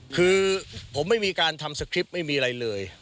คือผมไม่มีการทำสคริปต์ไม่มีอะไรเลย